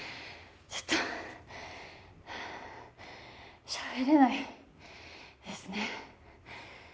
ちょっと喋れないですね。